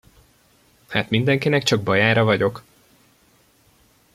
Hát mindenkinek csak bajára vagyok?